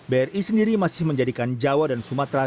bri sendiri masih menjadikan jawa dan sumatera